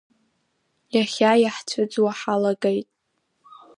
Иахьа иаҳцәыӡуа ҳалагеит.